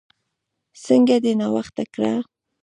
څنګه دې ناوخته کړه؟